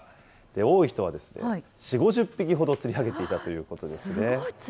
多い人は４、５０匹ほど釣り上げていたということですね。